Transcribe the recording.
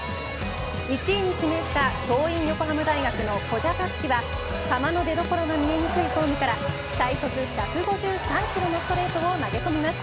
１位に指名した桐蔭横浜大学の古謝樹は球の出どころが見えにくいフォームから最速１５３キロのストレートを投げ込みます。